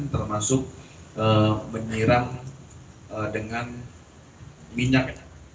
termasuk menyerang dengan minyak